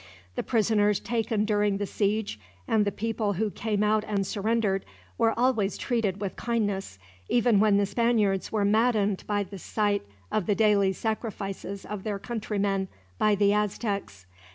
The prisoners taken during the siege, and the people who came out and surrendered, were always treated with kindness, even when the Spaniards were maddened by the sight of the daily sacrifices of their countrymen by the Aztecs.